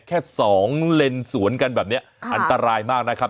แค่สองเลนสวนกันแบบนี้อันตรายมากนะครับ